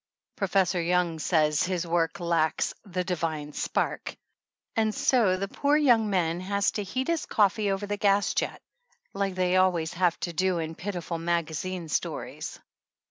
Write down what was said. Professor Young says his work lacks "the divine spark," and so the poor young man has to heat his coffee over the gas jet, like they always have to do in piti ful magazine stories.